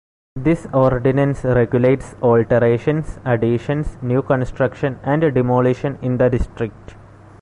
This ordinance regulates alterations, additions, new construction and demolition in the district.